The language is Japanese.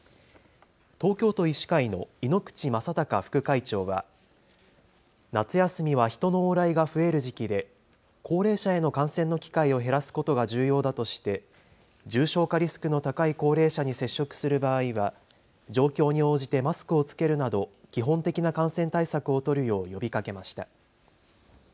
東京都医師会の猪口正孝副会長は夏休みは人の往来が増える時期で高齢者への感染の機会を減らすことが重要だとして重症化リスクの高い高齢者に接触する場合は状況に応じてマスクを着けるなど基本的な感染対策を取るよう呼びかけました。